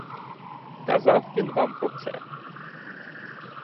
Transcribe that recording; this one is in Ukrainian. Казав він вам про це?